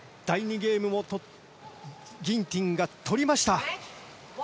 ゲームもギンティンが取りました。